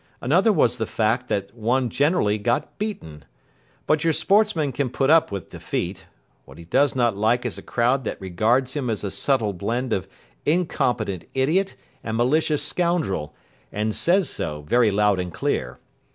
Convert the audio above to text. Another was the fact that one generally got beaten. But your sportsman can put up with defeat. What he does not like is a crowd that regards him as a subtle blend of incompetent idiot and malicious scoundrel, and says so very loud and clear.